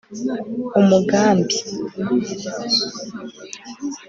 umugambi